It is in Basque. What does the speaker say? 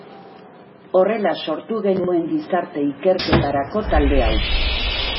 Horrela sortu genuen gizarte ikerketarako talde hau.